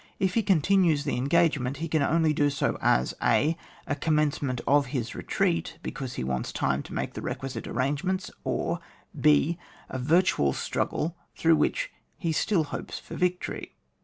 If he continues the engagement he can only do so as — a, A commencement of his retreat, because he wants time to make the requi site arrangements ; or, h, A virtual struggle through which he still hopes for victory.